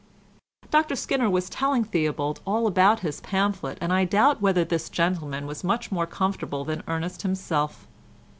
Dr Skinner was telling Theobald all about his pamphlet, and I doubt whether this gentleman was much more comfortable than Ernest himself.